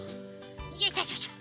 よいしょしょしょ。